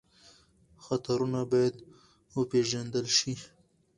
خطرونه باید وپېژندل شي.